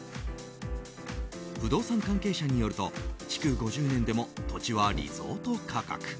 不動産関係者によると築５０年でも土地はリゾート価格。